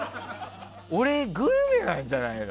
俺、グルメなんじゃないの？